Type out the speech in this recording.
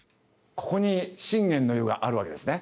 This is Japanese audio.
ここに信玄の湯があるわけですね。